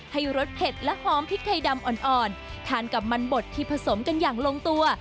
รสเผ็ดและหอมพริกไทยดำอ่อนทานกับมันบดที่ผสมกันอย่างลงตัว